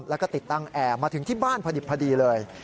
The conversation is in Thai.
แล้วก็ติดตั้งแอร์มาถึงที่บ้านพอดีเลย